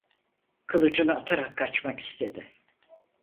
Kılıcını atarak kaçmak istedi.